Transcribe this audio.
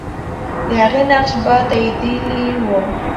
د هغې نقش به تاییدېدلی وو.